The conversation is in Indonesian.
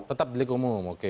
tetap delik umum oke